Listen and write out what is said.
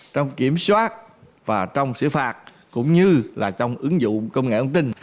trong kiểm soát và trong xử phạt cũng như là trong ứng dụng công nghệ ống tin